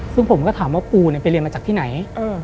ซึ่งผมก็ถามว่าปูไปเรียนมาจากที่ไหน